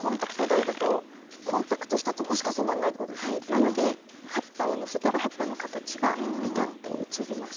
なので葉っぱをのせたら葉っぱの形がピタッと移りますし。